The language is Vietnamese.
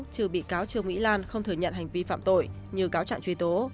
trừ bị cáo trương mỹ lan không thừa nhận hành vi phạm tội như cáo trạng truy tố